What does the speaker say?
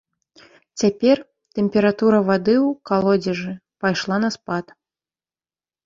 Цяпер тэмпература вады ў калодзежы пайшла на спад.